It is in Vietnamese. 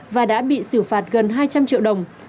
và đã bị xử phạt gần hai trăm linh triệu đồng